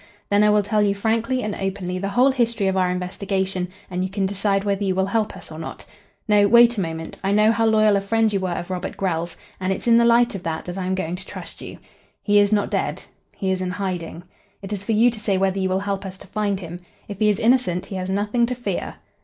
"Then I will tell you frankly and openly the whole history of our investigation, and you can decide whether you will help us or not. No wait a moment. I know how loyal a friend you were of Robert Grell's, and it's in the light of that, that I am going to trust you. He is not dead. He is in hiding. It is for you to say whether you will help us to find him. If he is innocent he has nothing to fear."